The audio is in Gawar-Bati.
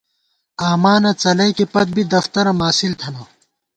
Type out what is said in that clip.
آمانہ څلَئیکے پت بی ، دفترہ ماسِل تھنہ